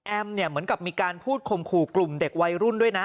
เหมือนกับมีการพูดข่มขู่กลุ่มเด็กวัยรุ่นด้วยนะ